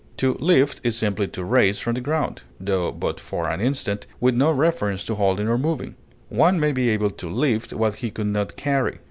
To lift is simply to raise from the ground, tho but for an instant, with no reference to holding or moving; one may be able to lift what he could not carry.